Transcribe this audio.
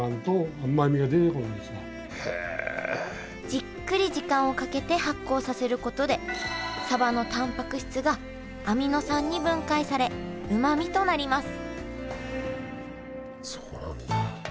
じっくり時間をかけて発酵させることでサバのたんぱく質がアミノ酸に分解されうまみとなります